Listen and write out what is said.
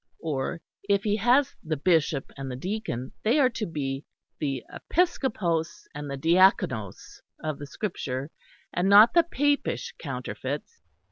Or if he has the bishop and the deacon they are to be the Episcopos and the Diaconos of the Scripture, and not the Papish counterfeits!